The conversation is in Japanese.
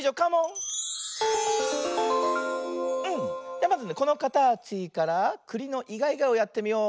じゃあまずねこのかたちからくりのイガイガをやってみよう。